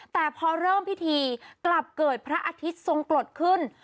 แต่พอเริ่มพิธีกลับเกิดพระอาทิตย์ทรงกรดขึ้น